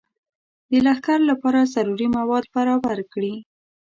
د لښکر لپاره ضروري مواد برابر کړي.